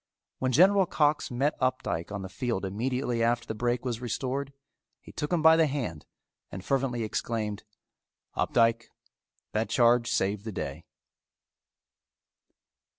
When General Cox met Opdycke on the field immediately after the break was restored, he took him by the hand and fervently exclaimed, "Opdycke, that charge saved the day."